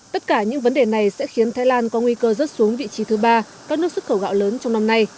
tất cả những vấn đề này sẽ khiến thái lan có nguy cơ rớt xuống vị trí thứ ba các nước xuất khẩu gạo lớn trong năm nay